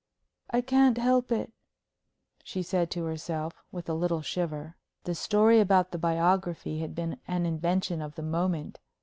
"I can't help it," she said to herself, with a little shiver. The story about the biography had been the invention of a moment.